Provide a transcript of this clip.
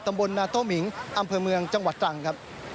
ตำบลนาโต้หมิงอำเภอเมืองจังหวัดตรังครับ